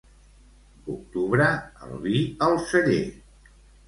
Octubre, el vi al celler.